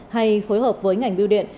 hay phối hợp với ngành biêu điện